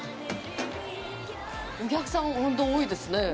お客さん、本当多いですね。